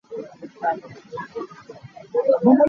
Civui ah palai pathum kan ngei.